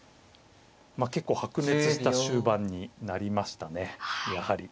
結構白熱した終盤になりましたねやはり。